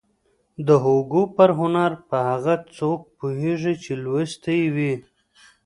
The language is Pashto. د هوګو پر هنر به هغه څوک پوهېږي چې لوستی يې وي.